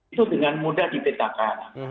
itu dengan mudah dipetakan